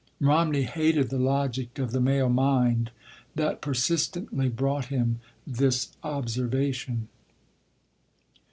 Romney hated the logic of the male mind that persistently brought him this observation.